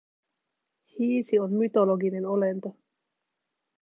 Hiisi on mytologinen olento.